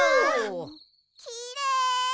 きれい！